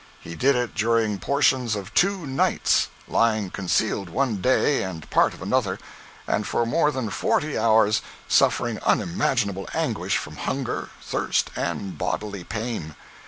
He did it during portions of two nights, lying concealed one day and part of another, and for more than forty hours suffering unimaginable anguish from hunger, thirst and bodily pain.